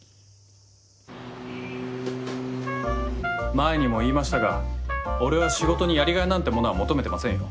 前にも言いましたが俺は仕事にやりがいなんてものは求めてませんよ。